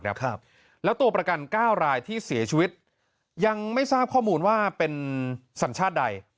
แล้วตัวประกัน๙รายที่เสียชีวิตยังไม่ทราบข้อมูลว่าเป็นสัญชาติใด